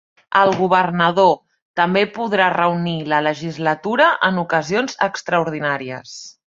El governador també podrà reunir la legislatura en "ocasions extraordinàries".